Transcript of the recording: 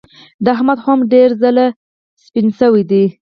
د احمد خو هم ډېر خلي سپين شوي دي.